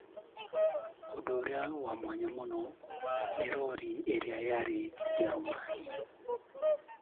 The most notable of these is a truck tolling system in Germany.